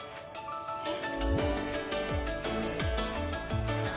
えっ？